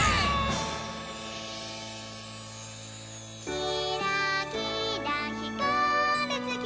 「きらきらひかるつき